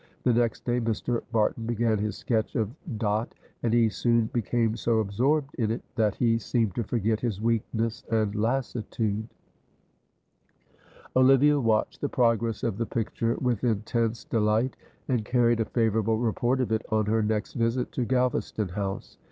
The next day Mr. Barton began his sketch of Dot, and he soon became so absorbed in it that he seemed to forget his weakness and lassitude. Olivia watched the progress of the picture with intense delight, and carried a favourable report of it on her next visit to Galvaston House.